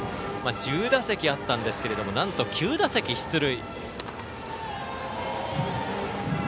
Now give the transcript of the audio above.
１０打席あったんですがなんと９打席出塁。